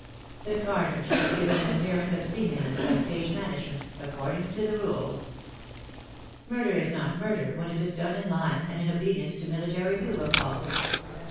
The carnage is given an appearance of seem liness by stage management — according to rules. Murder is not murder when it is done in line and in obedience to military bugle calls